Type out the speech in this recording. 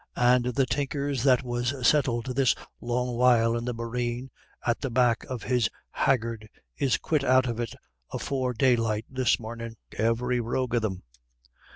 And the Tinkers that was settled this long while in the boreen at the back of his haggard is quit out of it afore daylight this mornin', every rogue of them.